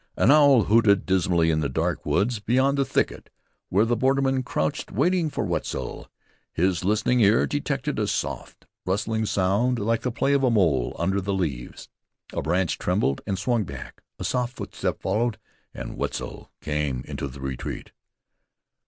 An owl hooted dismally in the dark woods beyond the thicket where the borderman crouched waiting for Wetzel. His listening ear detected a soft, rustling sound like the play of a mole under the leaves. A branch trembled and swung back; a soft footstep followed and Wetzel came into the retreat.